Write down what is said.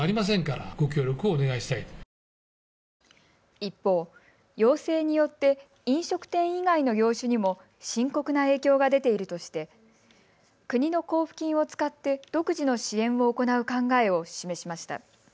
一方、要請によって飲食店以外の業種にも深刻な影響が出ているとして国の交付金を使って独自の支援を行う考えを示しました。